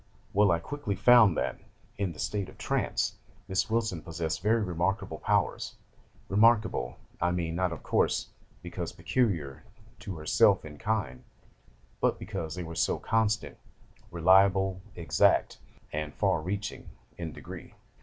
'Well, I quickly found that, in the state of trance, Miss Wilson possessed very remarkable powers: remarkable, I mean, not, of course, because peculiar to herself in kind, but because they were so constant, reliable, exact, and far reaching, in degree.